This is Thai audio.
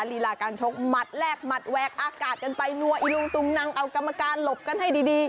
ลีลาการชกหมัดแรกหมัดแวกอากาศกันไปนัวอิลุงตุงนังเอากรรมการหลบกันให้ดี